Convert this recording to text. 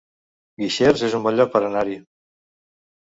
Guixers es un bon lloc per anar-hi